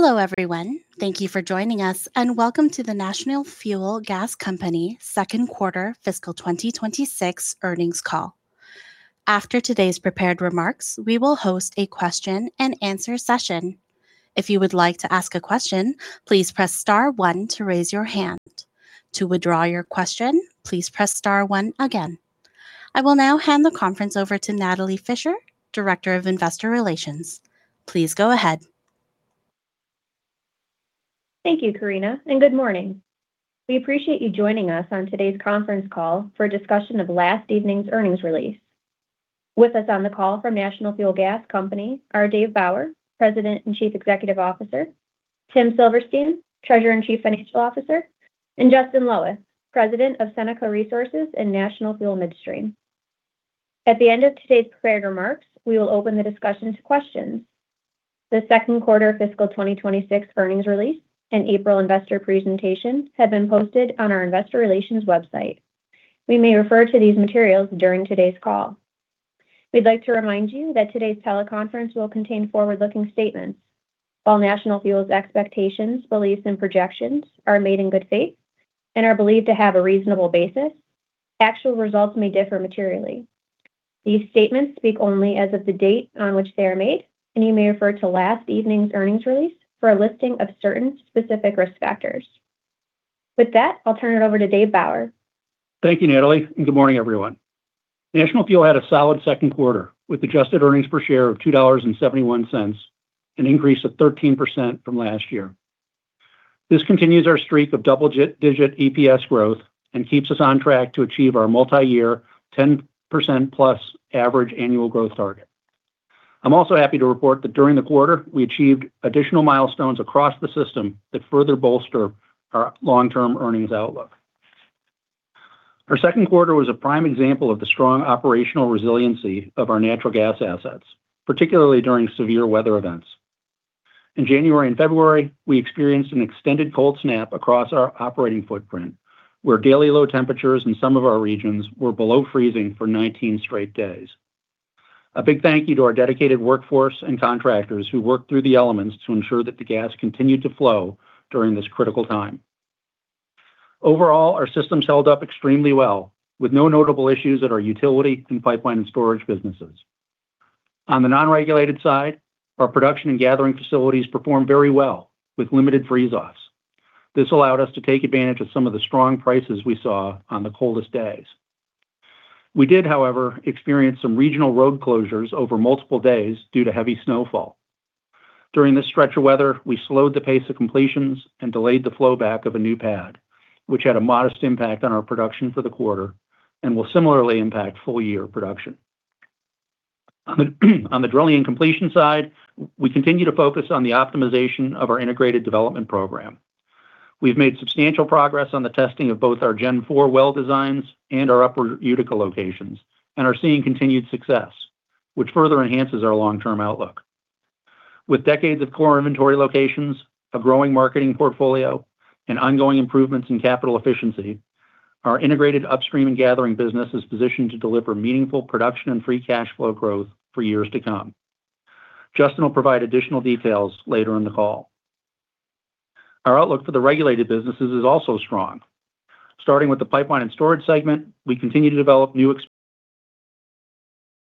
Hello, everyone. Thank you for joining us, and welcome to the National Fuel Gas Company second quarter fiscal 2026 earnings call. After today's prepared remarks, we will host a question and answer session. I will now hand the conference over to Natalie M. Fischer, Director of Investor Relations. Please go ahead. Thank you, Karina. Good morning. We appreciate you joining us on today's conference call for a discussion of last evening's earnings release. With us on the call from National Fuel Gas Company are David P. Bauer, President and Chief Executive Officer; Timothy J. Silverstein, Treasurer and Chief Financial Officer; and Justin I. Loweth, President of Seneca Resources and National Fuel Midstream. At the end of today's prepared remarks, we will open the discussion to questions. The second quarter fiscal 2026 earnings release and April investor presentation have been posted on our investor relations website. We may refer to these materials during today's call. We'd like to remind you that today's teleconference will contain forward-looking statements. While National Fuel's expectations, beliefs, and projections are made in good faith and are believed to have a reasonable basis, actual results may differ materially. These statements speak only as of the date on which they are made, and you may refer to last evening's earnings release for a listing of certain specific risk factors. With that, I'll turn it over to David P. Bauer. Thank you, Natalie. Good morning, everyone. National Fuel had a solid second quarter with adjusted earnings per share of $2.71, an increase of 13% from last year. This continues our streak of double-digit EPS growth and keeps us on track to achieve our multi-year 10%+ average annual growth target. I am also happy to report that during the quarter, we achieved additional milestones across the system that further bolster our long-term earnings outlook. Our second quarter was a prime example of the strong operational resiliency of our natural gas assets, particularly during severe weather events. In January and February, we experienced an extended cold snap across our operating footprint, where daily low temperatures in some of our regions were below freezing for 19 straight days. A big thank you to our dedicated workforce and contractors who worked through the elements to ensure that the gas continued to flow during this critical time. Overall, our systems held up extremely well with no notable issues at our utility and pipeline and storage businesses. On the non-regulated side, our production and gathering facilities performed very well with limited freeze-offs. This allowed us to take advantage of some of the strong prices we saw on the coldest days. We did, however, experience some regional road closures over multiple days due to heavy snowfall. During this stretch of weather, we slowed the pace of completions and delayed the flow back of a new pad, which had a modest impact on our production for the quarter and will similarly impact full year production. On the drilling and completion side, we continue to focus on the optimization of our integrated development program. We've made substantial progress on the testing of both our Gen 4 well designs and our Upper Utica locations and are seeing continued success, which further enhances our long-term outlook. With decades of core inventory locations, a growing marketing portfolio, and ongoing improvements in capital efficiency, our integrated upstream and gathering business is positioned to deliver meaningful production and free cash flow growth for years to come. Justin will provide additional details later in the call. Our outlook for the regulated businesses is also strong. Starting with the pipeline and storage segment, we continue to develop new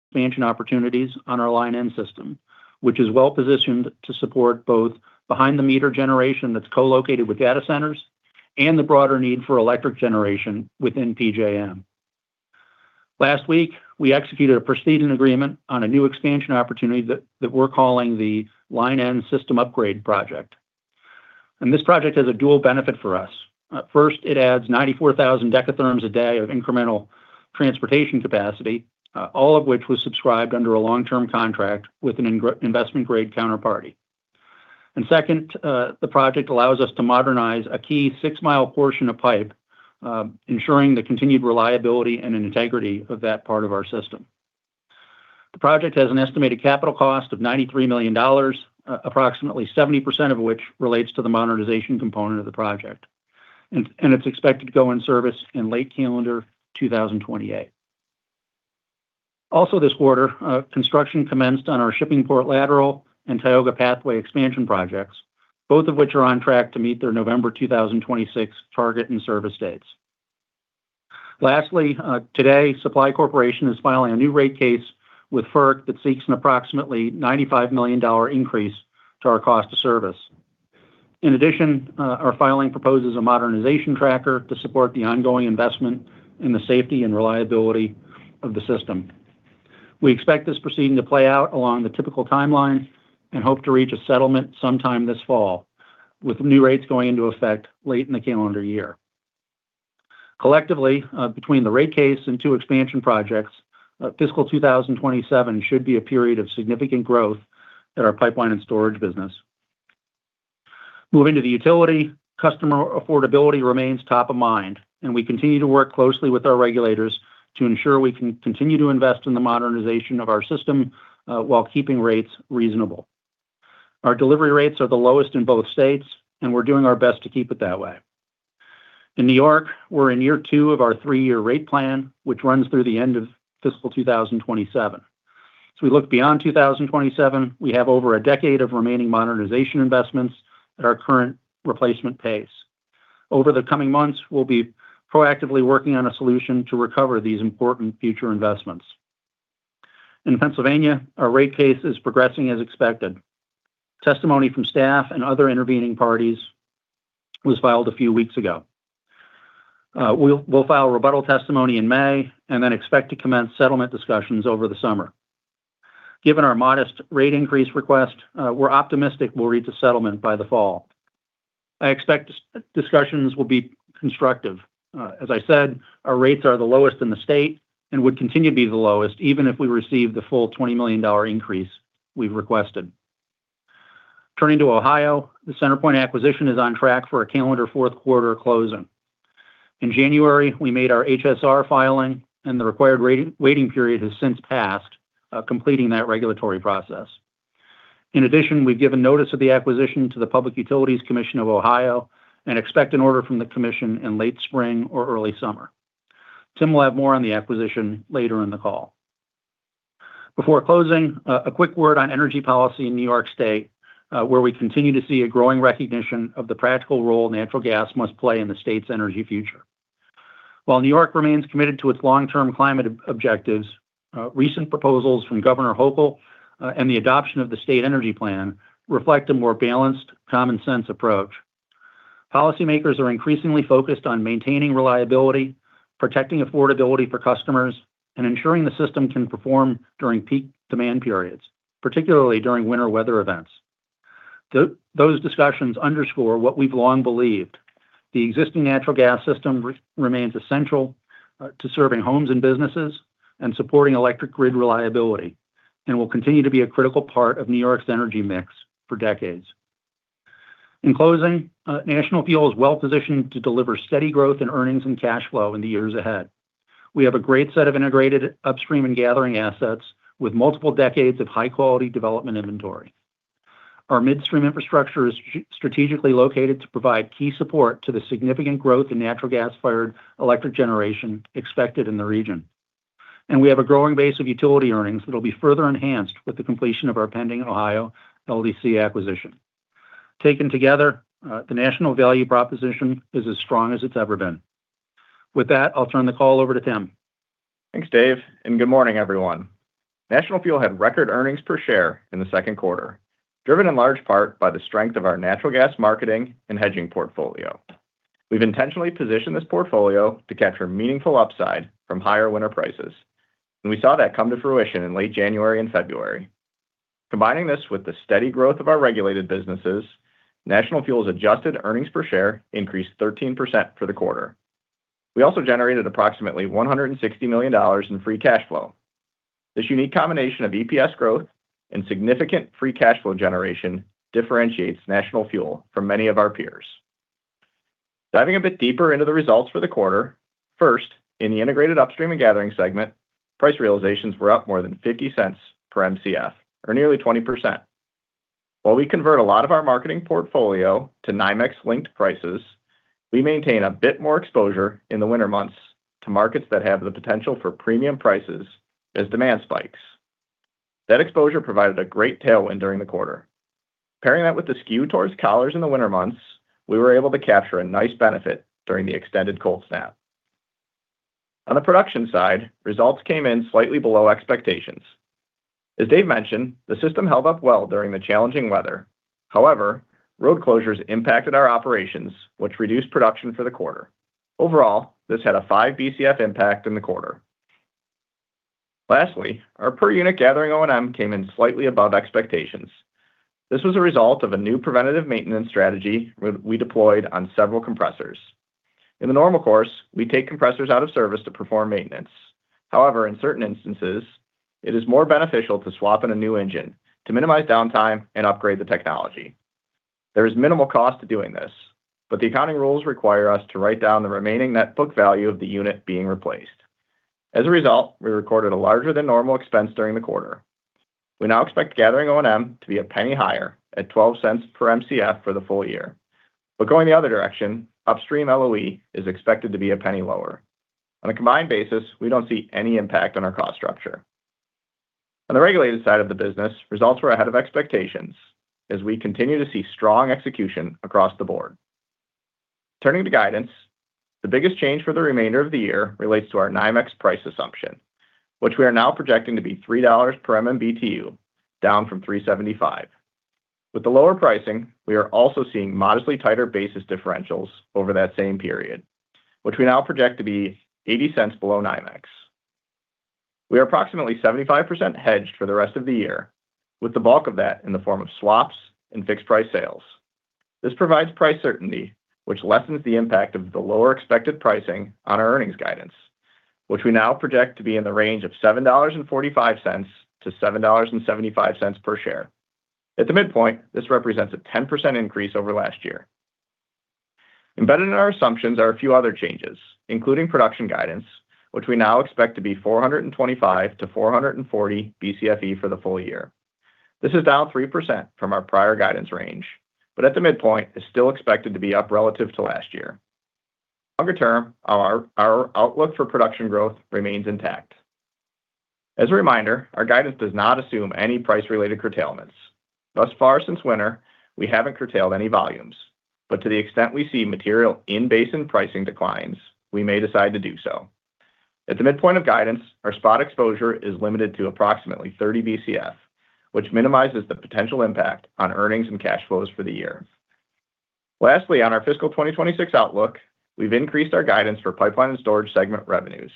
expansion opportunities on our Line N system, which is well-positioned to support both behind-the-meter generation that's co-located with data centers and the broader need for electric generation within PJM. Last week, we executed a proceeding agreement on a new expansion opportunity that we're calling the Line N System Upgrade Project. This project has a dual benefit for us. First, it adds 94,000 decatherms a day of incremental transportation capacity, all of which was subscribed under a long-term contract with an investment grade counterparty. Second, the project allows us to modernize a key 6-mile portion of pipe, ensuring the continued reliability and integrity of that part of our system. The project has an estimated capital cost of $93 million, approximately 70% of which relates to the modernization component of the project. It's expected to go in service in late calendar 2028. This quarter, construction commenced on our Shippingport Lateral and Tioga Pathway expansion projects, both of which are on track to meet their November 2026 target and service dates. Lastly, today, Supply Corporation is filing a new rate case with FERC that seeks an approximately $95 million increase to our cost of service. Our filing proposes a modernization tracker to support the ongoing investment in the safety and reliability of the system. We expect this proceeding to play out along the typical timeline and hope to reach a settlement sometime this fall, with new rates going into effect late in the calendar year. Between the rate case and two expansion projects, FY 2027 should be a period of significant growth at our pipeline and storage business. Moving to the utility, customer affordability remains top of mind. We continue to work closely with our regulators to ensure we can continue to invest in the modernization of our system while keeping rates reasonable. Our delivery rates are the lowest in both states, and we're doing our best to keep it that way. In New York, we're in year two of our three-year rate plan, which runs through the end of fiscal 2027. As we look beyond 2027, we have over a decade of remaining modernization investments at our current replacement pace. Over the coming months, we'll be proactively working on a solution to recover these important future investments. In Pennsylvania, our rate case is progressing as expected. Testimony from staff and other intervening parties was filed a few weeks ago. We'll file rebuttal testimony in May and expect to commence settlement discussions over the summer. Given our modest rate increase request, we're optimistic we'll reach a settlement by the fall. I expect discussions will be constructive. As I said, our rates are the lowest in the state and would continue to be the lowest even if we receive the full $20 million increase we've requested. Turning to Ohio, the CenterPoint acquisition is on track for a calendar fourth quarter closing. In January, we made our HSR filing, the required waiting period has since passed, completing that regulatory process. In addition, we've given notice of the acquisition to the Public Utilities Commission of Ohio and expect an order from the commission in late spring or early summer. Tim will have more on the acquisition later in the call. Before closing, a quick word on energy policy in New York State, where we continue to see a growing recognition of the practical role natural gas must play in the state's energy future. While New York remains committed to its long-term climate objectives, recent proposals from Governor Hochul and the adoption of the state energy plan reflect a more balanced common sense approach. Policy makers are increasingly focused on maintaining reliability, protecting affordability for customers, and ensuring the system can perform during peak demand periods, particularly during winter weather events. Those discussions underscore what we've long believed, the existing natural gas system remains essential, to serving homes and businesses and supporting electric grid reliability and will continue to be a critical part of New York's energy mix for decades. In closing, National Fuel is well-positioned to deliver steady growth in earnings and cash flow in the years ahead. We have a great set of integrated upstream and gathering assets with multiple decades of high-quality development inventory. Our midstream infrastructure is strategically located to provide key support to the significant growth in natural gas-fired electric generation expected in the region. We have a growing base of utility earnings that'll be further enhanced with the completion of our pending Ohio LDC acquisition. Taken together, the National value proposition is as strong as it's ever been. With that, I'll turn the call over to Tim. Thanks, Dave. Good morning, everyone. National Fuel had record earnings per share in the second quarter, driven in large part by the strength of our natural gas marketing and hedging portfolio. We've intentionally positioned this portfolio to capture meaningful upside from higher winter prices. We saw that come to fruition in late January and February. Combining this with the steady growth of our regulated businesses, National Fuel's adjusted earnings per share increased 13% for the quarter. We also generated approximately $160 million in free cash flow. This unique combination of EPS growth and significant free cash flow generation differentiates National Fuel from many of our peers. Diving a bit deeper into the results for the quarter, first, in the integrated upstream and gathering segment, price realizations were up more than $0.50 per Mcf or nearly 20%. While we convert a lot of our marketing portfolio to NYMEX-linked prices, we maintain a bit more exposure in the winter months to markets that have the potential for premium prices as demand spikes. That exposure provided a great tailwind during the quarter. Pairing that with the skew towards collars in the winter months, we were able to capture a nice benefit during the extended cold snap. On the production side, results came in slightly below expectations. As Dave mentioned, the system held up well during the challenging weather. Road closures impacted our operations, which reduced production for the quarter. Overall, this had a 5 Bcf impact in the quarter. Our per-unit gathering O&M came in slightly above expectations. This was a result of a new preventative maintenance strategy we deployed on several compressors. In the normal course, we take compressors out of service to perform maintenance. However, in certain instances, it is more beneficial to swap in a new engine to minimize downtime and upgrade the technology. There is minimal cost to doing this, but the accounting rules require us to write down the remaining net book value of the unit being replaced. As a result, we recorded a larger than normal expense during the quarter. We now expect gathering O&M to be $0.01 higher at $0.12 per Mcf for the full year. Going the other direction, upstream LOE is expected to be $0.01 lower. On a combined basis, we don't see any impact on our cost structure. On the regulated side of the business, results were ahead of expectations as we continue to see strong execution across the board. Turning to guidance, the biggest change for the remainder of the year relates to our NYMEX price assumption, which we are now projecting to be $3 per MMBtu, down from $3.75. With the lower pricing, we are also seeing modestly tighter basis differentials over that same period, which we now project to be $0.80 below NYMEX. We are approximately 75% hedged for the rest of the year, with the bulk of that in the form of swaps and fixed-price sales. This provides price certainty, which lessens the impact of the lower expected pricing on our earnings guidance, which we now project to be in the range of $7.45-$7.75 per share. At the midpoint, this represents a 10% increase over last year. Embedded in our assumptions are a few other changes, including production guidance, which we now expect to be 425 to 440 Bcfe for the full year. This is down 3% from our prior guidance range. At the midpoint, it's still expected to be up relative to last year. Longer term, our outlook for production growth remains intact. As a reminder, our guidance does not assume any price-related curtailments. Thus far since winter, we haven't curtailed any volumes. To the extent we see material in-basin pricing declines, we may decide to do so. At the midpoint of guidance, our spot exposure is limited to approximately 30 Bcf, which minimizes the potential impact on earnings and cash flows for the year. Lastly, on our fiscal 2026 outlook, we've increased our guidance for pipeline and storage segment revenues.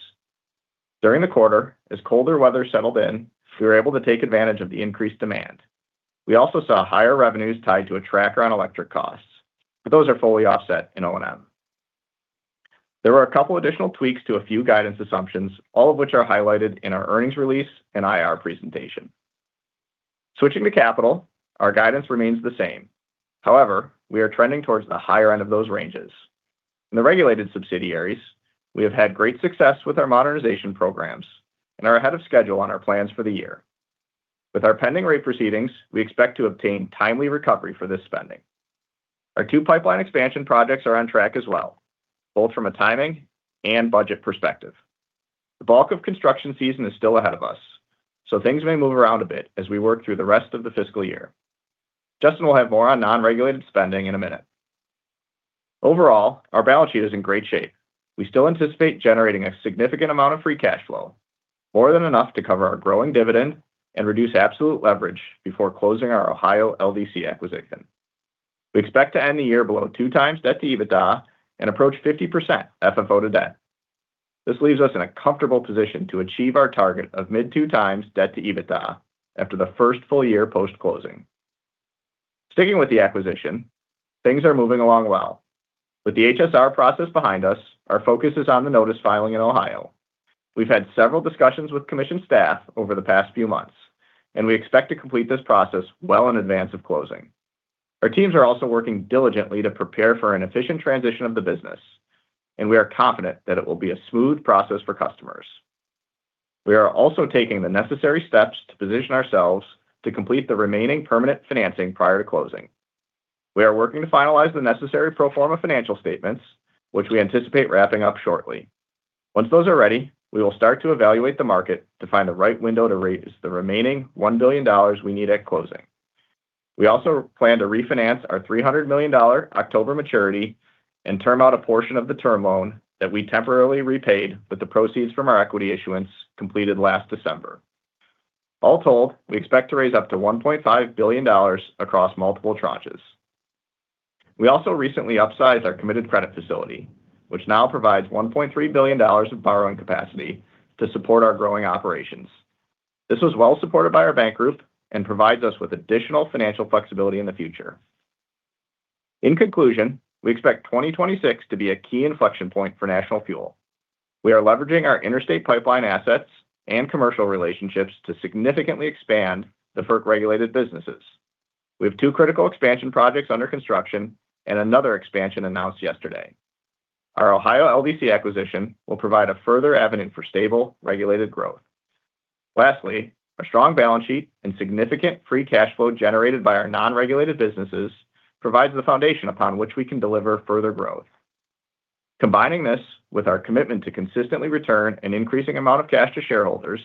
During the quarter, as colder weather settled in, we were able to take advantage of the increased demand. We also saw higher revenues tied to a tracker on electric costs, but those are fully offset in O&M. There were a couple additional tweaks to a few guidance assumptions, all of which are highlighted in our earnings release and IR presentation. Switching to capital, our guidance remains the same. We are trending towards the higher end of those ranges. In the regulated subsidiaries, we have had great success with our modernization programs and are ahead of schedule on our plans for the year. With our pending rate proceedings, we expect to obtain timely recovery for this spending. Our two pipeline expansion projects are on track as well, both from a timing and budget perspective. The bulk of construction season is still ahead of us, so things may move around a bit as we work through the rest of the fiscal year. Justin will have more on non-regulated spending in a minute. Overall, our balance sheet is in great shape. We still anticipate generating a significant amount of free cash flow, more than enough to cover our growing dividend and reduce absolute leverage before closing our Ohio LDC acquisition. We expect to end the year below two times debt to EBITDA and approach 50% FFO to debt. This leaves us in a comfortable position to achieve our target of mid two times debt to EBITDA after the first full year post-closing. Sticking with the acquisition, things are moving along well. With the HSR process behind us, our focus is on the notice filing in Ohio. We've had several discussions with commission staff over the past few months, and we expect to complete this process well in advance of closing. Our teams are also working diligently to prepare for an efficient transition of the business, and we are confident that it will be a smooth process for customers. We are also taking the necessary steps to position ourselves to complete the remaining permanent financing prior to closing. We are working to finalize the necessary pro forma financial statements, which we anticipate wrapping up shortly. Once those are ready, we will start to evaluate the market to find the right window to raise the remaining $1 billion we need at closing. We also plan to refinance our $300 million October maturity and term out a portion of the term loan that we temporarily repaid with the proceeds from our equity issuance completed last December. All told, we expect to raise up to $1.5 billion across multiple tranches. We also recently upsized our committed credit facility, which now provides $1.3 billion of borrowing capacity to support our growing operations. This was well supported by our bank group and provides us with additional financial flexibility in the future. In conclusion, we expect 2026 to be a key inflection point for National Fuel. We are leveraging our interstate pipeline assets and commercial relationships to significantly expand the FERC-regulated businesses. We have two critical expansion projects under construction and another expansion announced yesterday. Our Ohio LDC acquisition will provide a further avenue for stable, regulated growth. Lastly, a strong balance sheet and significant free cash flow generated by our non-regulated businesses provides the foundation upon which we can deliver further growth. Combining this with our commitment to consistently return an increasing amount of cash to shareholders,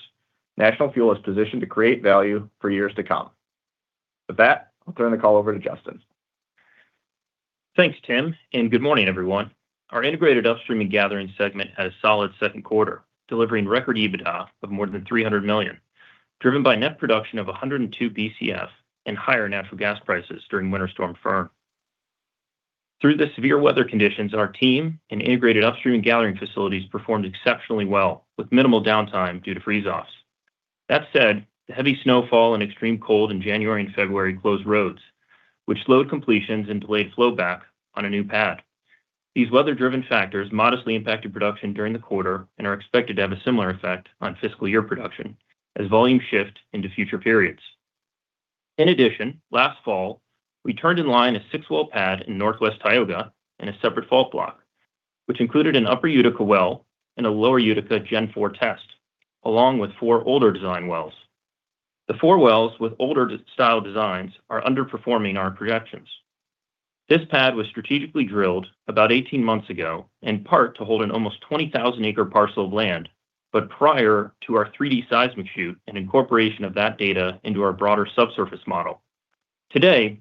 National Fuel is positioned to create value for years to come. With that, I'll turn the call over to Justin. Thanks, Tim. Good morning, everyone. Our integrated upstream and gathering segment had a solid second quarter, delivering record EBITDA of more than $300 million, driven by net production of 102 Bcf and higher natural gas prices during Winter Storm Elliott. Through the severe weather conditions, our team and integrated upstream and gathering facilities performed exceptionally well with minimal downtime due to freeze-offs. That said, the heavy snowfall and extreme cold in January and February closed roads, which slowed completions and delayed flowback on a new pad. These weather-driven factors modestly impacted production during the quarter and are expected to have a similar effect on fiscal year production as volumes shift into future periods. In addition, last fall, we turned in line a six-well pad in Northwest Tioga in a separate fault block, which included an Upper Utica well and a Lower Utica Gen 4 test, along with four older design wells. The four wells with older style designs are underperforming our projections. This pad was strategically drilled about 18 months ago, in part to hold an almost 20,000-acre parcel of land, prior to our 3D seismic shoot and incorporation of that data into our broader subsurface model. Today,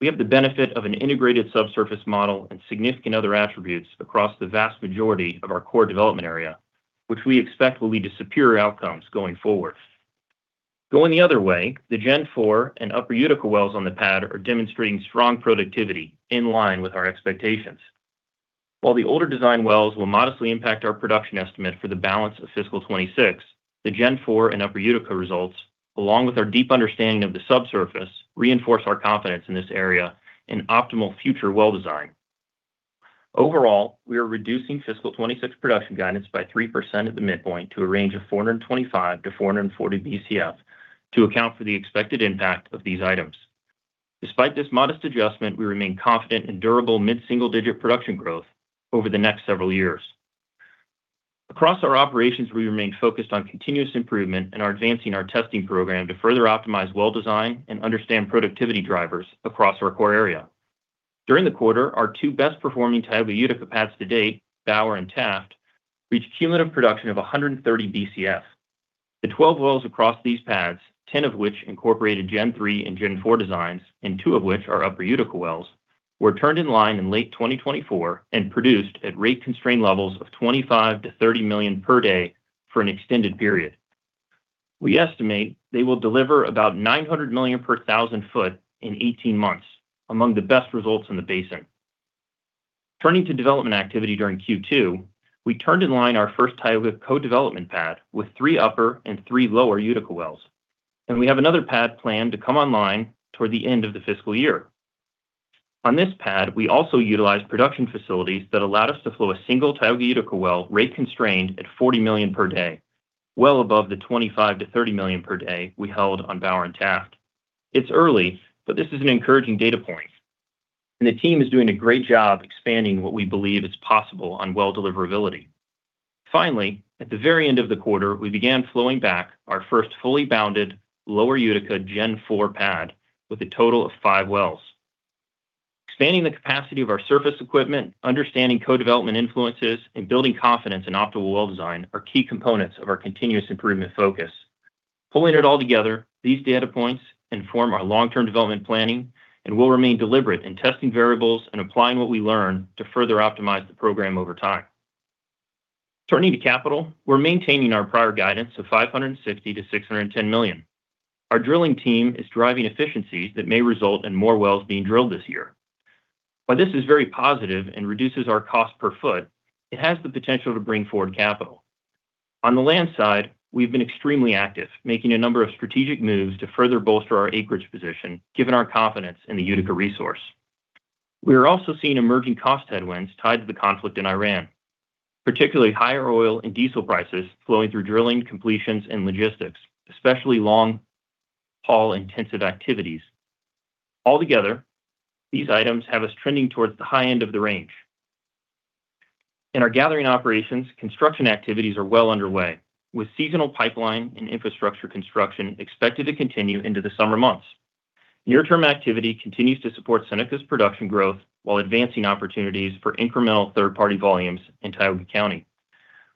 we have the benefit of an integrated subsurface model and significant other attributes across the vast majority of our core development area, which we expect will lead to superior outcomes going forward. Going the other way, the Gen 4 and Upper Utica wells on the pad are demonstrating strong productivity in line with our expectations. While the older design wells will modestly impact our production estimate for the balance of fiscal 2026, the Gen 4 and Upper Utica results, along with our deep understanding of the subsurface, reinforce our confidence in this area and optimal future well design. Overall, we are reducing fiscal 2026 production guidance by 3% at the midpoint to a range of 425-440 Bcf to account for the expected impact of these items. Despite this modest adjustment, we remain confident in durable mid-single-digit production growth over the next several years. Across our operations, we remain focused on continuous improvement and are advancing our testing program to further optimize well design and understand productivity drivers across our core area. During the quarter, our two best performing Tioga Utica pads to date, Bower and Taft, reached cumulative production of 130 Bcf. The 12 wells across these pads, 10 of which incorporated Gen 3 and Gen 4 designs, and two of which are Upper Utica wells, were turned in line in late 2024 and produced at rate constrained levels of 25 million-30 million per day for an extended period. We estimate they will deliver about 900 million per 1,000 foot in 18 months, among the best results in the basin. Turning to development activity during Q2, we turned in line our first Tioga co-development pad with three Upper and three Lower Utica wells, and we have another pad planned to come online toward the end of the fiscal year. On this pad, we also utilized production facilities that allowed us to flow a single Tioga Utica well, rate constrained at 40 million per day, well above the 25 million-30 million per day we held on Bower and Taft. It's early. This is an encouraging data point. The team is doing a great job expanding what we believe is possible on well deliverability. Finally, at the very end of the quarter, we began flowing back our first fully bounded Lower Utica Gen 4 pad with a total of five wells. Expanding the capacity of our surface equipment, understanding co-development influences, and building confidence in optimal well design are key components of our continuous improvement focus. Pulling it all together, these data points inform our long-term development planning. We'll remain deliberate in testing variables and applying what we learn to further optimize the program over time. Turning to capital, we're maintaining our prior guidance of $560 million-$610 million. Our drilling team is driving efficiencies that may result in more wells being drilled this year. While this is very positive and reduces our cost per foot, it has the potential to bring forward capital. On the land side, we've been extremely active, making a number of strategic moves to further bolster our acreage position, given our confidence in the Utica resource. We are also seeing emerging cost headwinds tied to the conflict in Iran, particularly higher oil and diesel prices flowing through drilling, completions, and logistics, especially long-haul intensive activities. Altogether, these items have us trending towards the high end of the range. In our gathering operations, construction activities are well underway, with seasonal pipeline and infrastructure construction expected to continue into the summer months. Near-term activity continues to support Seneca's production growth while advancing opportunities for incremental third-party volumes in Tioga County.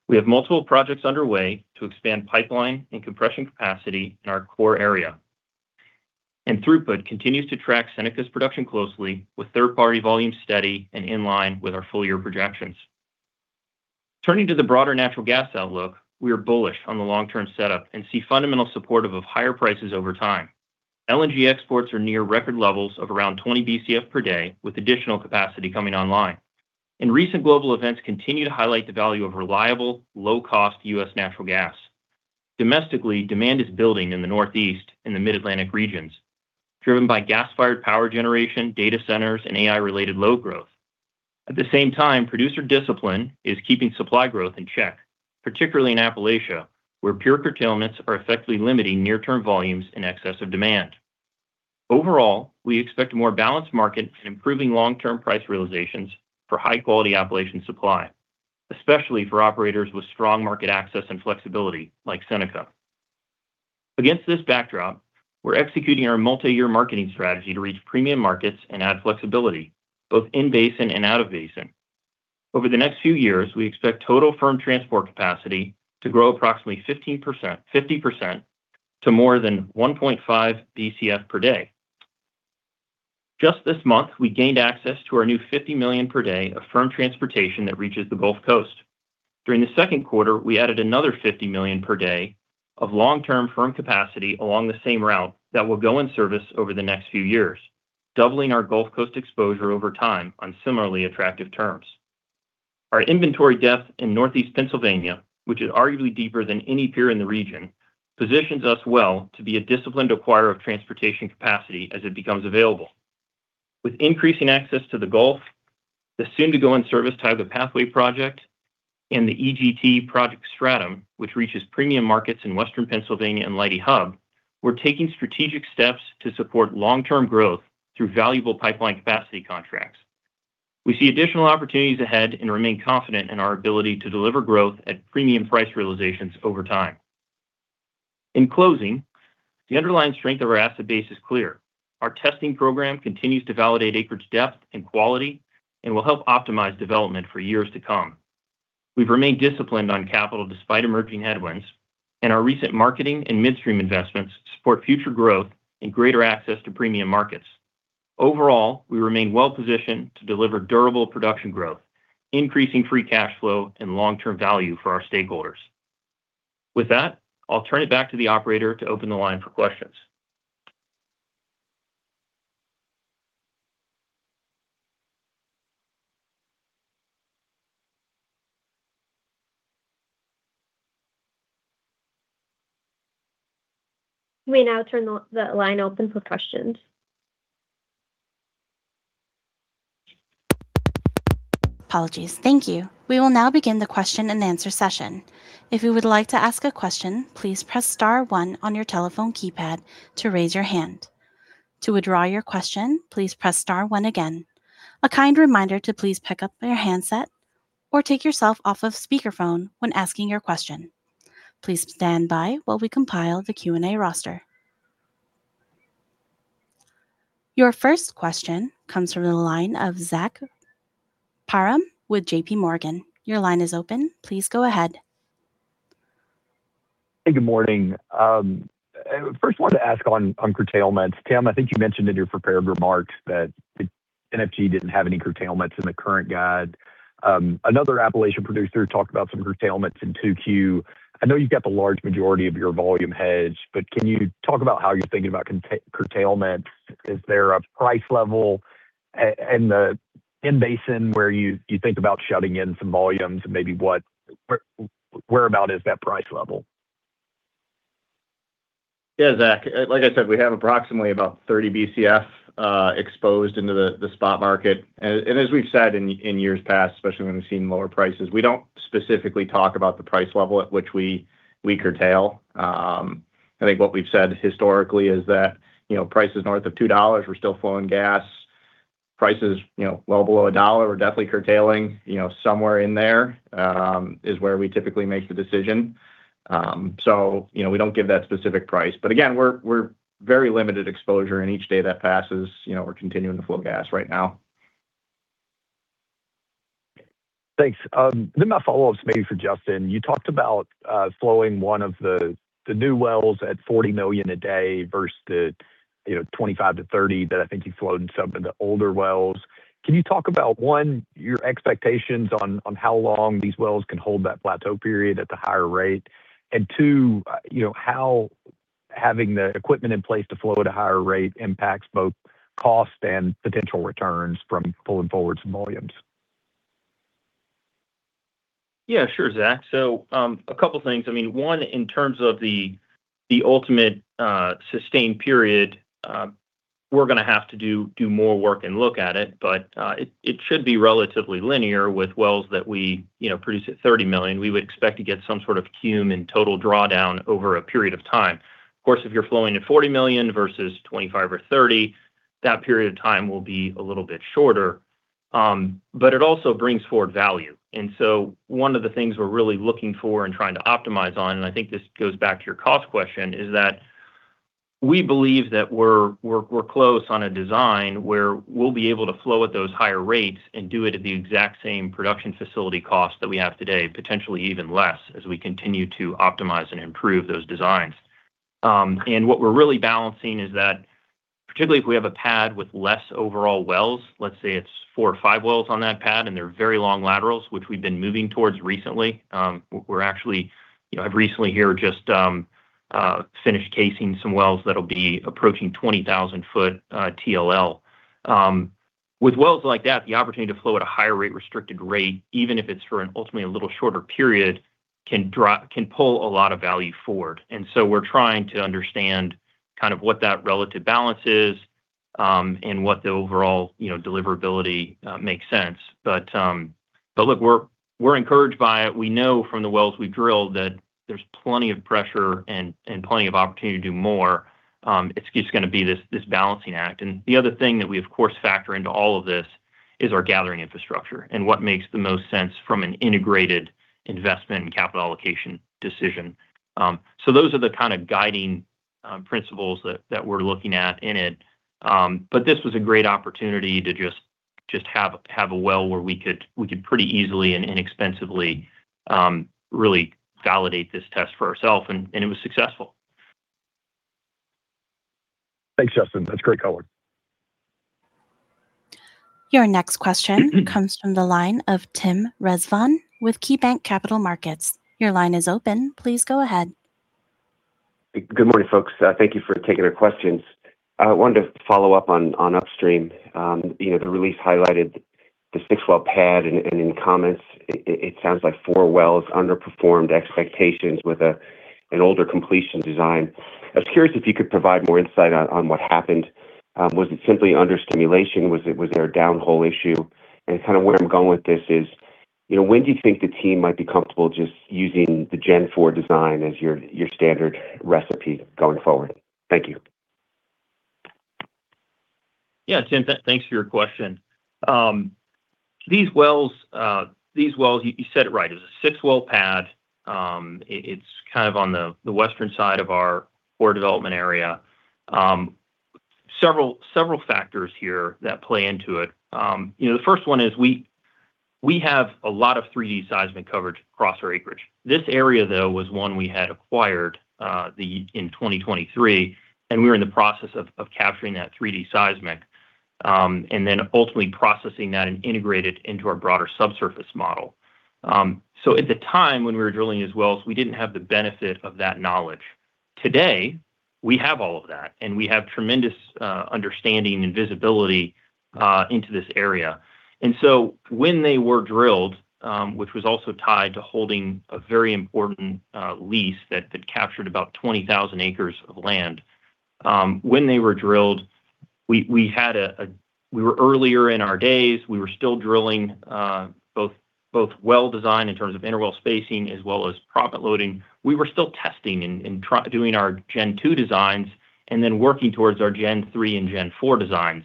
We have multiple projects underway to expand pipeline and compression capacity in our core area. Throughput continues to track Seneca's production closely with third-party volume steady and in line with our full year projections. Turning to the broader natural gas outlook, we are bullish on the long-term setup and see fundamental supportive of higher prices over time. LNG exports are near record levels of around 20 Bcf per day, with additional capacity coming online. Recent global events continue to highlight the value of reliable, low-cost U.S. natural gas. Domestically, demand is building in the Northeast and the Mid-Atlantic regions, driven by gas-fired power generation, data centers, and AI-related load growth. At the same time, producer discipline is keeping supply growth in check, particularly in Appalachia, where peer curtailments are effectively limiting near-term volumes in excess of demand. Overall, we expect a more balanced market and improving long-term price realizations for high-quality Appalachian supply, especially for operators with strong market access and flexibility like Seneca. Against this backdrop, we're executing our multi-year marketing strategy to reach premium markets and add flexibility, both in basin and out of basin. Over the next few years, we expect total firm transport capacity to grow approximately 50% to more than 1.5 Bcf per day. Just this month, we gained access to our new 50 million per day of firm transportation that reaches the Gulf Coast. During the second quarter, we added another 50 million per day of long-term firm capacity along the same route that will go in service over the next few years, doubling our Gulf Coast exposure over time on similarly attractive terms. Our inventory depth in Northeast Pennsylvania, which is arguably deeper than any peer in the region, positions us well to be a disciplined acquirer of transportation capacity as it becomes available. With increasing access to the Gulf, the soon to go in service Tioga Pathway Project and the EGT Project Stratum, which reaches premium markets in Western Pennsylvania and Leidy Hub, we're taking strategic steps to support long-term growth through valuable pipeline capacity contracts. We see additional opportunities ahead and remain confident in our ability to deliver growth at premium price realizations over time. In closing, the underlying strength of our asset base is clear. Our testing program continues to validate acreage depth and quality and will help optimize development for years to come. We've remained disciplined on capital despite emerging headwinds, and our recent marketing and midstream investments support future growth and greater access to premium markets. Overall, we remain well-positioned to deliver durable production growth, increasing free cash flow and long-term value for our stakeholders. With that, I'll turn it back to the operator to open the line for questions. We now turn the line open for questions. Apologies. Thank you. We will now begin the question and answer session. If you would like to ask a question, please press star one on your telephone keypad to raise your hand. To withdraw your question, please press star one again. A kind reminder to please pick up your handset or take yourself off of speakerphone when asking your question. Please stand by while we compile the Q&A roster. Your first question comes from the line of Zach Parham with JPMorgan. Your line is open. Please go ahead. Hey, good morning. First I wanted to ask on curtailments. Tim Silverstein, I think you mentioned in your prepared remarks that the NFG didn't have any curtailments in the current guide. Another Appalachian producer talked about some curtailments in 2Q. I know you've got the large majority of your volume hedged, but can you talk about how you're thinking about curtailment? Is there a price level in the, in basin where you think about shutting in some volumes? maybe what, where about is that price level? Zach. We have approximately about 30 Bcf exposed into the spot market. As we've said in years past, especially when we've seen lower prices, we don't specifically talk about the price level at which we curtail. I think what we've said historically is that, you know, prices north of $2, we're still flowing gas. Prices, you know, well below $1, we're definitely curtailing. You know, somewhere in there is where we typically make the decision. You know, we don't give that specific price. Again, we're very limited exposure, and each day that passes, you know, we're continuing to flow gas right now. Thanks. My follow-up's maybe for Justin. You talked about flowing one of the new wells at 40 million a day versus the, you know, 25-30 that I think you flowed in some of the older wells. Can you talk about, one, your expectations on how long these wells can hold that plateau period at the higher rate? And two, you know, how having the equipment in place to flow at a higher rate impacts both cost and potential returns from pulling forward some volumes? Sure, Zach. A couple things. I mean, one. In terms of the ultimate sustained period, we're gonna have to do more work and look at it should be relatively linear with wells that we, you know, produce at $30 million. We would expect to get some sort of cum and total drawdown over a period of time. Of course, if you're flowing at $40 million versus $25 or $30, that period of time will be a little bit shorter. It also brings forward value. One of the things we're really looking for and trying to optimize on, and I think this goes back to your cost question, is that we believe that we're close on a design where we'll be able to flow at those higher rates and do it at the exact same production facility cost that we have today, potentially even less, as we continue to optimize and improve those designs. What we're really balancing is that, particularly if we have a pad with less overall wells, let's say it's four or five wells on that pad, and they're very long laterals, which we've been moving towards recently. You know, I've recently here just finished casing some wells that'll be approaching 20,000 foot TLL. With wells like that, the opportunity to flow at a higher rate restricted rate, even if it's for an ultimately a little shorter period, can pull a lot of value forward. And so we're trying to understand kind of what that relative balance is, and what the overall, you know, deliverability makes sense. But look, we're encouraged by it. We know from the wells we drilled that there's plenty of pressure and plenty of opportunity to do more. It's just gonna be this balancing act. The other thing that we of course factor into all of this is our gathering infrastructure and what makes the most sense from an integrated investment and capital allocation decision. Those are the kind of guiding principles that we're looking at in it. This was a great opportunity to just have a well where we could pretty easily and inexpensively really validate this test for ourself, and it was successful. Thanks, Justin. That's great color. Your next question comes from the line of Tim Rezvan with KeyBanc Capital Markets. Your line is open. Please go ahead. Good morning, folks. Thank you for taking the questions. I wanted to follow up on upstream. You know, the release highlighted the six-well pad, and in comments, it sounds like four wells underperformed expectations with an older completion design. I was curious if you could provide more insight on what happened. Was it simply under stimulation? Was there a downhole issue? Kind of where I'm going with this is, you know, when do you think the team might be comfortable just using the Gen 4 design as your standard recipe going forward? Thank you. Tim, thanks for your question. These wells, you said it right. It was a six-well pad. It's kind of on the western side of our core development area. Several factors here that play into it. You know, the first one is we have a lot of 3D seismic coverage across our acreage. This area, though, was one we had acquired in 2023, and we were in the process of capturing that 3D seismic and then ultimately processing that and integrate it into our broader subsurface model. At the time when we were drilling these wells, we didn't have the benefit of that knowledge. Today, we have all of that, and we have tremendous understanding and visibility into this area. When they were drilled, which was also tied to holding a very important lease that captured about 20,000 acres of land, when they were drilled. We were earlier in our days, we were still drilling both well-designed in terms of interval spacing as well as proppant loading. We were still testing and doing our Gen 2 designs and then working towards our Gen 3 and Gen 4 designs.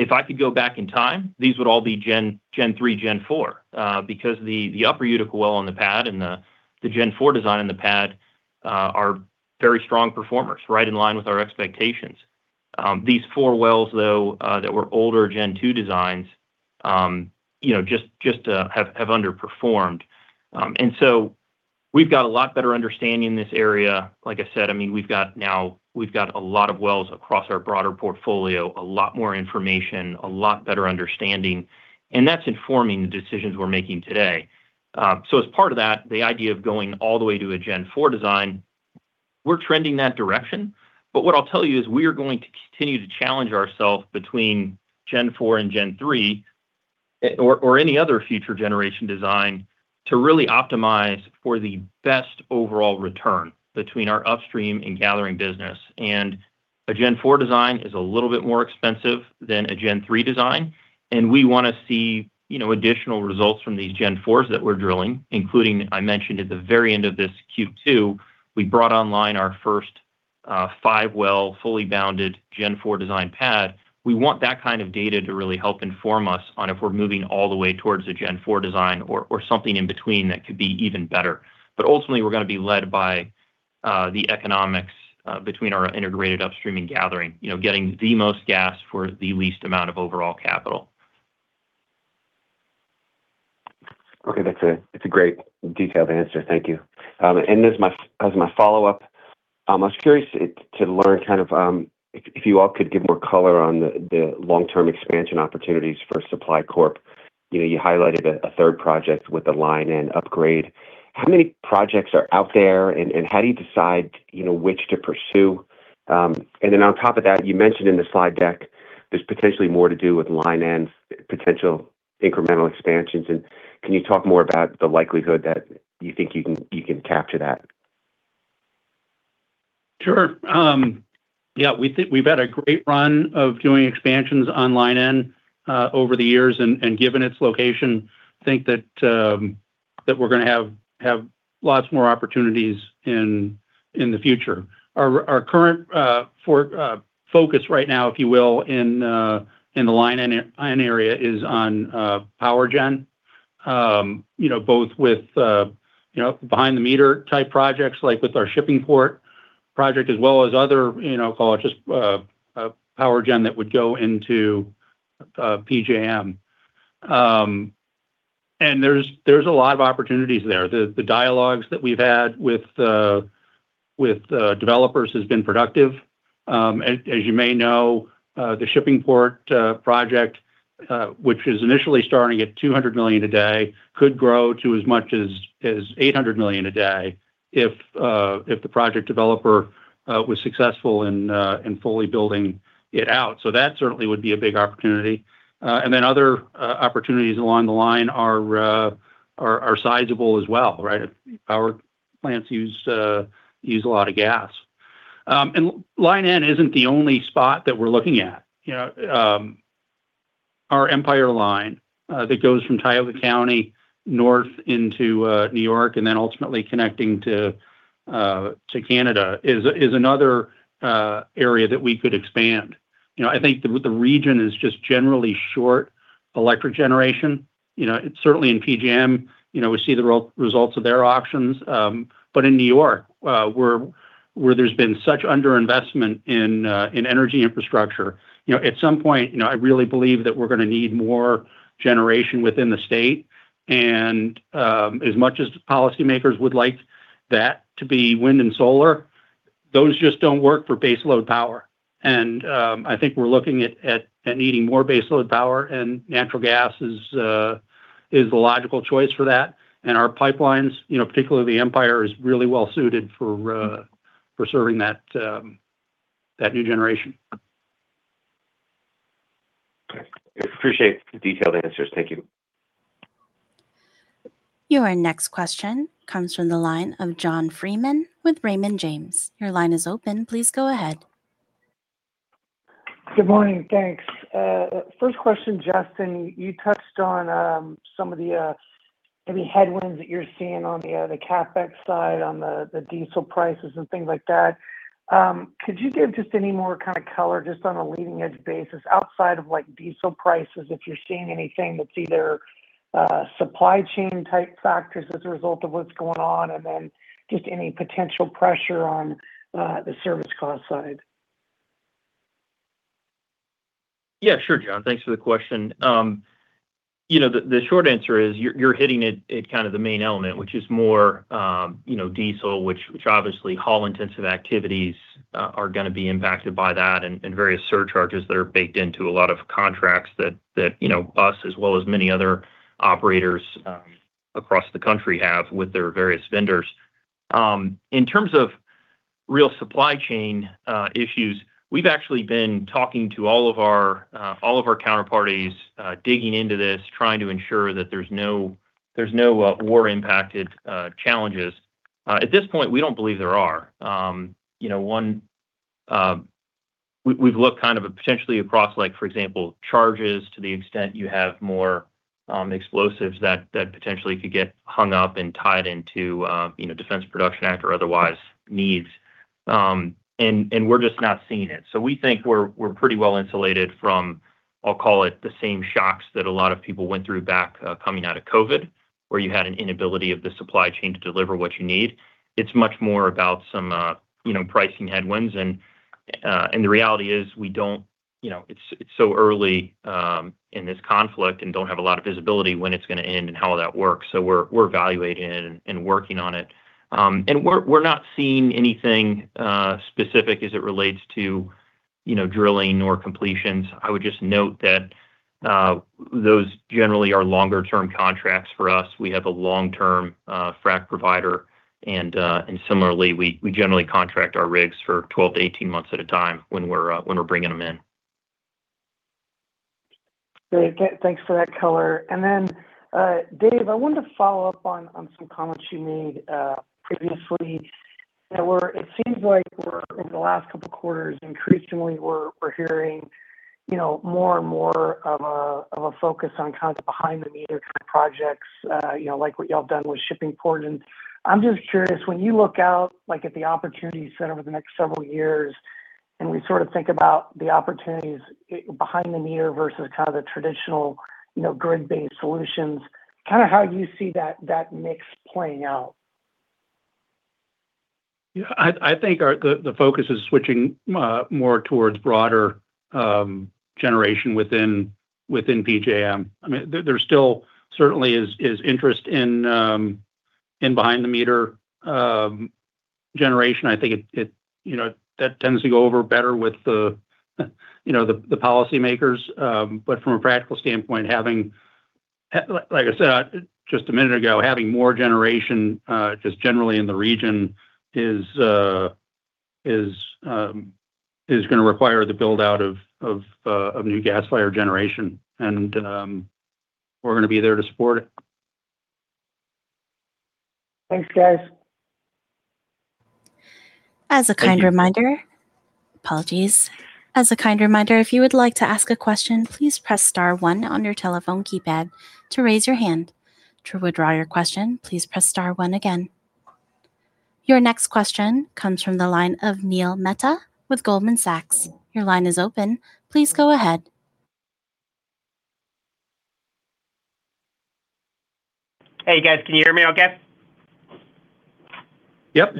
If I could go back in time, these would all be Gen 3, Gen 4, because the Upper Utica well on the pad and the Gen 4 design in the pad are very strong performers, right in line with our expectations. These four wells, though, that were older Gen 2 designs, you know, have underperformed. We've got a lot better understanding in this area. Like I said, I mean, we've got a lot of wells across our broader portfolio, a lot more information, a lot better understanding, and that's informing the decisions we're making today. As part of that, the idea of going all the way to a Gen 4 design, we're trending that direction. What I'll tell you is we are going to continue to challenge ourselves between Gen 4 and Gen 3, or any other future generation design to really optimize for the best overall return between our upstream and gathering business. A Gen 4 design is a little bit more expensive than a Gen 3 design, we wanna see, you know, additional results from these Gen 4s that we're drilling, including I mentioned at the very end of this Q2, we brought online our first five-well, fully bounded Gen 4 design pad. We want that kind of data to really help inform us on if we're moving all the way towards a Gen 4 design or something in between that could be even better. Ultimately, we're gonna be led by the economics between our integrated upstream and gathering. You know, getting the most gas for the least amount of overall capital. Okay. That's a great detailed answer. Thank you. As my follow-up, I was curious to learn kind of, if you all could give more color on the long-term expansion opportunities for Supply Corp. You know, you highlighted a third project with the Line N upgrade. How many projects are out there and how do you decide, you know, which to pursue? Then on top of that, you mentioned in the slide deck there's potentially more to do with Line N potential incremental expansions, and can you talk more about the likelihood that you think you can capture that? Sure. Yeah. We think we've had a great run of doing expansions on Line N over the years. Given its location, think that we're gonna have lots more opportunities in the future. Our current focus right now, if you will, in the Line N area is on power gen. You know, both with, you know, behind the meter type projects like with our Shippingport project as well as other, you know, call it just power gen that would go into PJM. There's a lot of opportunities there. The dialogues that we've had with developers has been productive. As you may know, the Shippingport Project, which is initially starting at $200 million a day, could grow to as much as $800 million a day if the project developer was successful in fully building it out. That certainly would be a big opportunity. Other opportunities along the Line N are sizable as well, right? Power plants use a lot of gas. Line N isn't the only spot that we're looking at. You know, our Empire line that goes from Tioga County north into New York and then ultimately connecting to Canada is another area that we could expand. You know, I think the region is just generally short electric generation. You know, certainly in PJM, you know, we see the results of their auctions. In New York, where there's been such underinvestment in energy infrastructure, you know, at some point, you know, I really believe that we're gonna need more generation within the state. As much as policymakers would like that to be wind and solar, those just don't work for base load power. I think we're looking at needing more base load power and natural gas is the logical choice for that. Our pipelines, you know, particularly the Empire, is really well suited for serving that new generation. Okay. I appreciate the detailed answers. Thank you. Your next question comes from the line of John Freeman with Raymond James. Your line is open. Please go ahead. Good morning. Thanks. First question, Justin. You touched on some of the maybe headwinds that you're seeing on the CapEx side, on the diesel prices and things like that. Could you give just any more kind of color just on a leading edge basis outside of like diesel prices, if you're seeing anything that's either supply chain type factors as a result of what's going on? Then just any potential pressure on the service cost side. Yeah, sure John. Thanks for the question. You know, the short answer is you're hitting it kind of the main element, which is more, you know, diesel, which obviously haul intensive activities are gonna be impacted by that and various surcharges that are baked into a lot of contracts that, you know, us as well as many other operators across the country have with their various vendors. In terms of real supply chain issues, we've actually been talking to all of our counterparties, digging into this, trying to ensure that there's no war impacted challenges. At this point, we don't believe there are. We've looked kind of potentially across like, for example, charges to the extent you have more explosives that potentially could get hung up and tied into, you know, Defense Production Act or otherwise needs. And we're just not seeing it. We think we're pretty well insulated from, I'll call it, the same shocks that a lot of people went through back coming out of COVID, where you had an inability of the supply chain to deliver what you need. It's much more about some, you know, pricing headwinds. The reality is we don't, you know, it's so early in this conflict and don't have a lot of visibility when it's gonna end and how that works. We're evaluating it and working on it. We're not seeing anything specific as it relates to, you know, drilling or completions. I would just note that those generally are longer term contracts for us. We have a long-term frack provider and similarly, we generally contract our rigs for 12 to 18 months at a time when we're bringing them in. Great. Thanks for that color. Then, Dave, I wanted to follow up on some comments you made previously. It seems like we're in the last couple of quarters, increasingly we're hearing, you know, more and more of a focus on kind of behind the meter projects. You know, like what y'all have done with Shippingport. I'm just curious, when you look out, like, at the opportunities set over the next several years, and we sort of think about the opportunities behind the meter versus kind of the traditional, you know, grid-based solutions, kind of how you see that mix playing out. Yeah, I think the focus is switching more towards broader generation within PJM. I mean, there still certainly is interest in behind the meter generation. I think it, you know, that tends to go over better with the, you know, the policymakers. From a practical standpoint, having, like I said, just a minute ago, having more generation just generally in the region is gonna require the build-out of new gas-fired generation. We're gonna be there to support it. Thanks, guys. As a kind reminder. Thank you. Apologies. As a kind reminder, if you would like to ask a question, please press star one on your telephone keypad to raise your hand. To withdraw your question, please press star one again. Your next question comes from the line of Neil Mehta with Goldman Sachs. Your line is open. Please go ahead. Hey, guys. Can you hear me okay? Yep.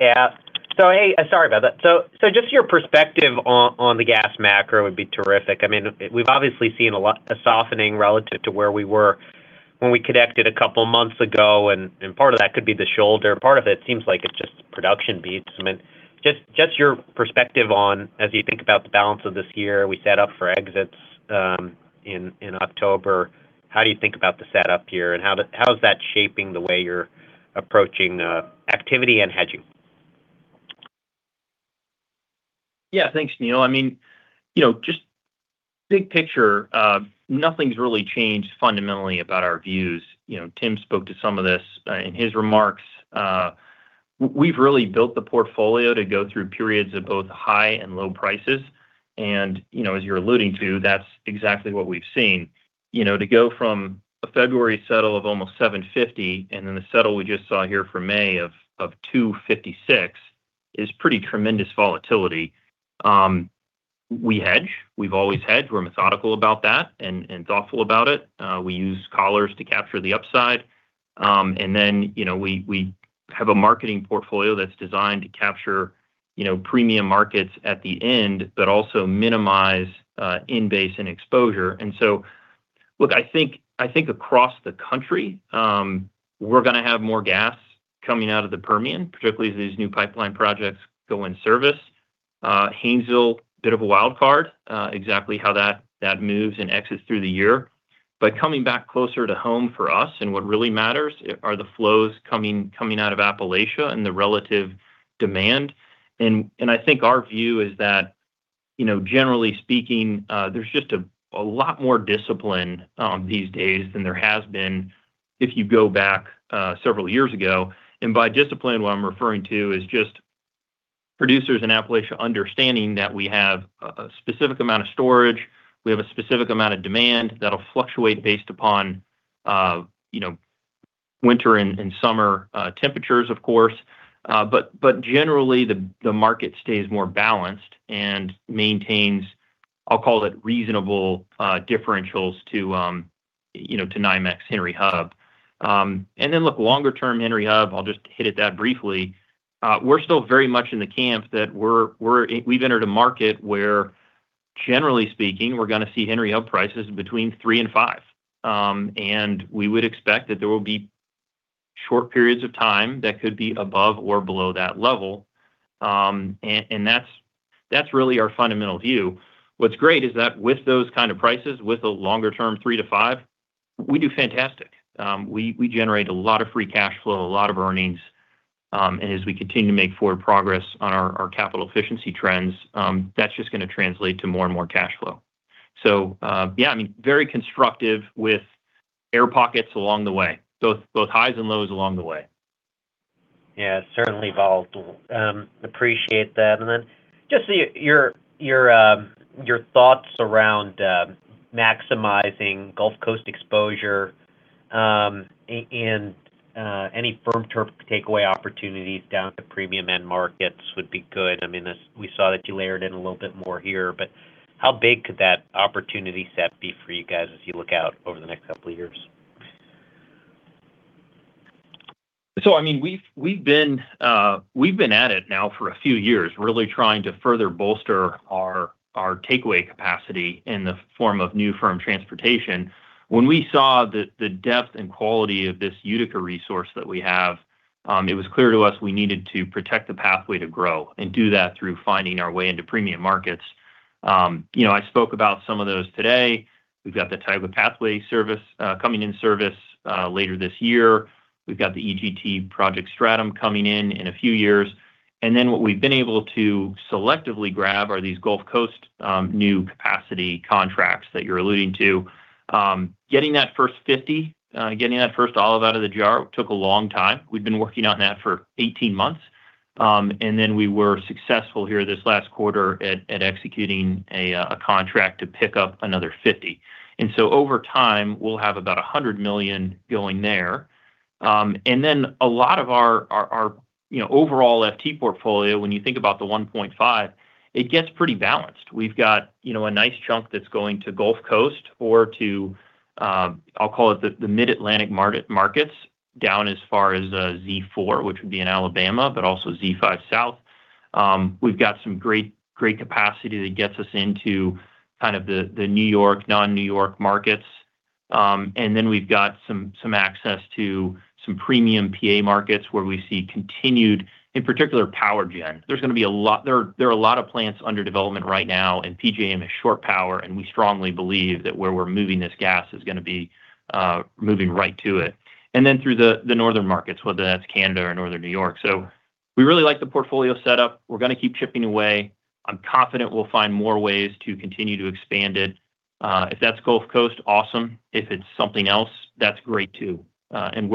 Yeah. Hey, sorry about that. Just your perspective on the gas macro would be terrific. I mean, we've obviously seen a softening relative to where we were when we connected a couple months ago, and part of that could be the shoulder. Part of it seems like it's just production beats. I mean, just your perspective on as you think about the balance of this year, we set up for exits in October. How do you think about the setup here, and how is that shaping the way you're approaching activity and hedging? Thanks, Neil. I mean, you know, just big picture, nothing's really changed fundamentally about our views. You know, Tim spoke to some of this in his remarks. We've really built the portfolio to go through periods of both high and low prices. You know, as you're alluding to, that's exactly what we've seen. You know, to go from a February settle of almost $7.50 and then the settle we just saw here for May of $2.56 is pretty tremendous volatility. We hedge. We've always hedged. We're methodical about that and thoughtful about it. We use collars to capture the upside. Then, you know, we have a marketing portfolio that's designed to capture, you know, premium markets at the end, but also minimize in base and exposure. Look, I think across the country, we're gonna have more gas coming out of the Permian, particularly as these new pipeline projects go in service. Haynesville, bit of a wild card, exactly how that moves and exits through the year. Coming back closer to home for us, and what really matters are the flows coming out of Appalachia and the relative demand. I think our view is that, you know, generally speaking, there's just a lot more discipline these days than there has been if you go back several years ago. By discipline, what I'm referring to is just producers in Appalachia understanding that we have a specific amount of storage, we have a specific amount of demand that'll fluctuate based upon, you know, winter and summer temperatures, of course. But generally, the market stays more balanced and maintains, I'll call it reasonable, differentials to, you know, to NYMEX Henry Hub. Then look, longer term Henry Hub, I'll just hit at that briefly. We're still very much in the camp that we've entered a market where, generally speaking, we're gonna see Henry Hub prices between three and five. We would expect that there will be short periods of time that could be above or below that level. That's really our fundamental view. What's great is that with those kind of prices, with a longer term three to five, we do fantastic. We generate a lot of free cash flow, a lot of earnings. As we continue to make forward progress on our capital efficiency trends, that's just gonna translate to more and more cash flow. Yeah, I mean, very constructive with air pockets along the way. Both highs and lows along the way. Yeah, certainly volatile. Appreciate that. Just your thoughts around maximizing Gulf Coast exposure in any firm turf takeaway opportunities down to premium end markets would be good. I mean, as we saw that you layered in a little bit more here, how big could that opportunity set be for you guys as you look out over the next two years? We've been at it now for a few years, really trying to further bolster our takeaway capacity in the form of new firm transportation. When we saw the depth and quality of this Utica resource that we have, it was clear to us we needed to protect the pathway to grow and do that through finding our way into premium markets. You know, I spoke about some of those today. We've got the Tioga Pathway service coming in service later this year. We've got the EGT Project Stratum coming in in a few years. What we've been able to selectively grab are these Gulf Coast new capacity contracts that you're alluding to. Getting that first 50, getting that first olive out of the jar took a long time. We've been working on that for 18 months. We were successful here this last quarter at executing a contract to pick up another 50. Over time, we'll have about 100 million going there. A lot of our overall FT portfolio, when you think about the 1.5, it gets pretty balanced. We've got, you know, a nice chunk that's going to Gulf Coast or to, I'll call it the Mid-Atlantic markets, down as far as Z4, which would be in Alabama, but also Z5 South. We've got some great capacity that gets us into kind of the New York, non-New York markets. We've got some access to some premium PA markets where we see continued, in particular power gen. There's gonna be a lot. There are a lot of plants under development right now, and PJM is short power, and we strongly believe that where we're moving this gas is gonna be moving right to it. Through the northern markets, whether that's Canada or Northern New York. We really like the portfolio setup. We're gonna keep chipping away. I'm confident we'll find more ways to continue to expand it. If that's Gulf Coast, awesome. If it's something else, that's great too. I'm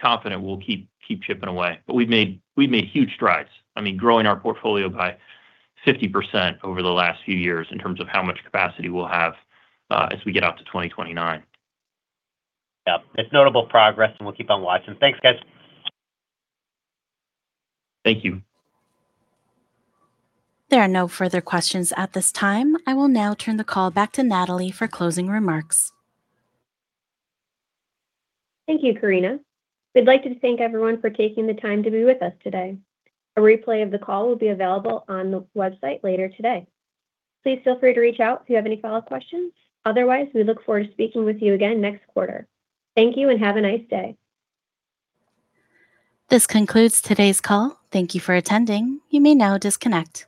confident we'll keep chipping away. We've made huge strides. I mean, growing our portfolio by 50% over the last few years in terms of how much capacity we'll have as we get out to 2029. Yeah. It's notable progress, and we'll keep on watching. Thanks, guys. Thank you. There are no further questions at this time. I will now turn the call back to Natalie for closing remarks. Thank you, Karina. We'd like to thank everyone for taking the time to be with us today. A replay of the call will be available on the website later today. Please feel free to reach out if you have any follow-up questions. Otherwise, we look forward to speaking with you again next quarter. Thank you, and have a nice day. This concludes today's call. Thank you for attending. You may now disconnect.